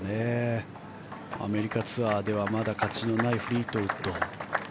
アメリカツアーではまだ勝ちのないフリートウッド。